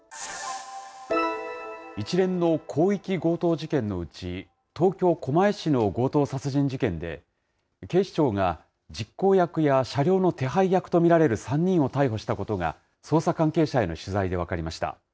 一連の広域強盗事件のうち、東京・狛江市の強盗殺人事件で、警視庁が実行役や車両の手配役と見られる３人を逮捕したことが、捜査関係者への取材で分かりました。